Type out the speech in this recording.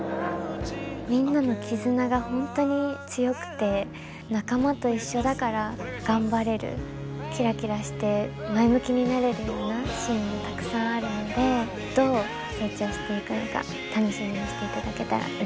みんなの絆が本当に強くて仲間と一緒だから頑張れるキラキラして前向きになれるようなシーンもたくさんあるのでどう成長していくのか楽しみにしていただけたらうれしいです。